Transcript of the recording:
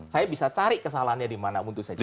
saya bisa cari kesalahannya dimana pun itu saya jerat